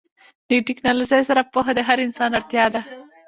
د ټیکنالوژۍ سره پوهه د هر انسان اړتیا ده.